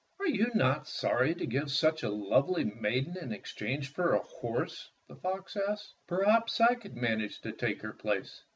"Are you not sorry to give such a lovely maiden in exchange for a horse?" the fox asked. "Perhaps I could manage to take her place."